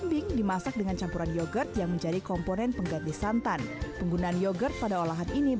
jadi kalau bukan dengan nasi sebenarnya tidak ozi